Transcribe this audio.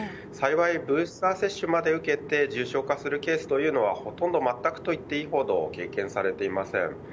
幸いブースター接種まで受けて重症化するケースは、ほとんどまったくと言っていいほど経験されていません。